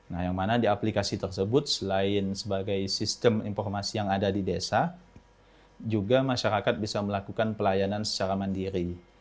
nah yang mana di aplikasi tersebut selain sebagai sistem informasi yang ada di desa juga masyarakat bisa melakukan pelayanan secara mandiri